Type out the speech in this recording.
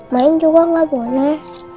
main juga nggak boleh